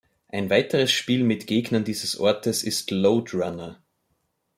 Ein weiteres Spiel mit Gegnern dieses Ortes ist Lode Runner.